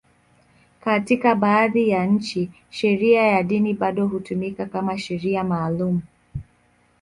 Katika baadhi ya nchi, sheria ya dini bado hutumika kama sheria maalum.